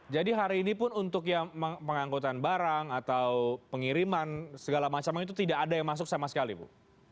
hari ini pun untuk yang pengangkutan barang atau pengiriman segala macam itu tidak ada yang masuk sama sekali bu